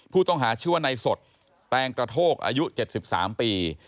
ผู้ต้องหาชื่อว่าในสดแตงกระโทกอายุ๗๓ปี